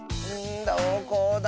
どこだ？